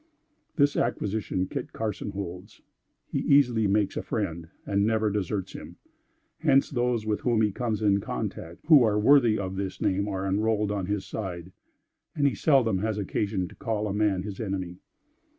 This acquisition Kit Carson holds. He easily makes a friend, and never deserts him; hence, those, with whom he comes in contact, who are worthy of this name, are enrolled on his side; and he seldom has occasion to call a man his enemy.